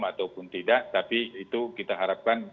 ataupun tidak tapi itu kita harapkan